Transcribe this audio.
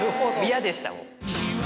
嫌でしたもう。